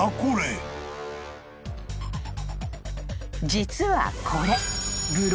［実はこれ］